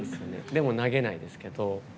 でも投げないですけど。